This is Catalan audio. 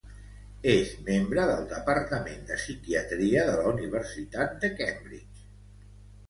És membre del Departament de Psiquiatria de la Universitat de Cambridge.